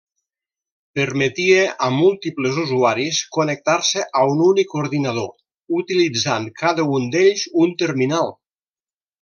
Permetia a múltiples usuaris connectar-se a un únic ordinador, utilitzant cada un d'ells un terminal.